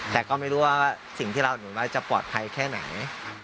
แต่ก็ไม่รู้ว่าสิ่งที่เราอุ่นไว้จะปลอดภัยแค่ไหน